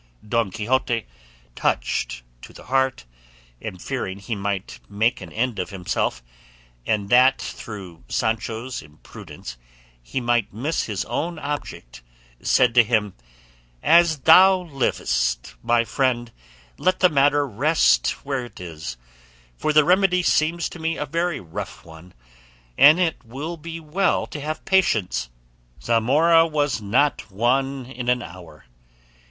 Don Quixote, touched to the heart, and fearing he might make an end of himself, and that through Sancho's imprudence he might miss his own object, said to him, "As thou livest, my friend, let the matter rest where it is, for the remedy seems to me a very rough one, and it will be well to have patience; 'Zamora was not won in an hour.